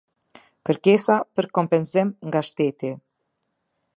Kërkesa për kompensim nga shteti.